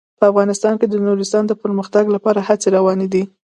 په افغانستان کې د نورستان د پرمختګ لپاره هڅې روانې دي.